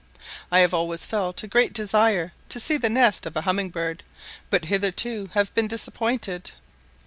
I have always felt a great desire to see the nest of a humming bird, but hitherto have been disappointed.